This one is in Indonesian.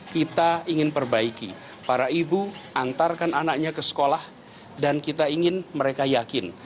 kita ingin perbaiki para ibu antarkan anaknya ke sekolah dan kita ingin mereka yakin